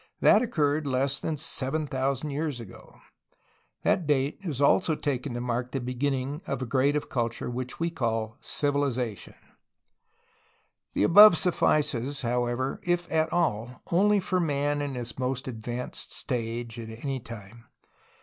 That occurred less than 7,000 years ago. That date is also taken to mark the beginning of a grade of culture which we call "civilization.'' 9 10 A HISTORY OF CALIFORNIA The above suffices, however, if at all, only for man in his most advanced stage at any time.